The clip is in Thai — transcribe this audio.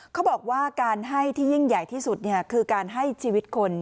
เขาบอกว่าการให้ที่ยิ่งใหญ่ที่สุดคือการให้ชีวิตคน